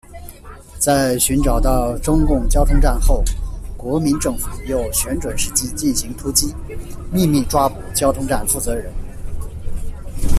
在寻找到中共交通站后，国民政府又选准时机进行突击，秘密抓捕交通站负责人。